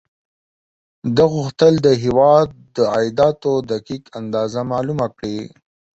ده غوښتل د هېواد د عایداتو دقیق اندازه معلومه کړي.